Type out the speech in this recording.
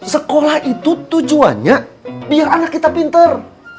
sekolah itu tujuannya biar anak kita pinter